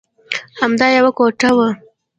همدا یوه کوټه وه.